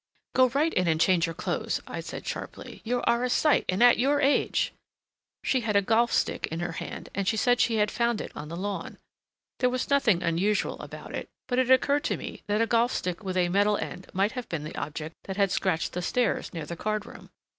"Go right in and change your clothes," I said sharply. "You're a sight, and at your age!" She had a golf stick in her hand, and she said she had found it on the lawn. There was nothing unusual about it, but it occurred to me that a golf stick with a metal end might have been the object that had scratched the stairs near the card room.